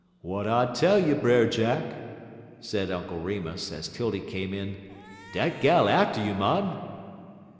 "W'at I tell you, Brer Jack?" said Uncle Remus, as 'Tildy came in. "Dat gal atter you, mon!"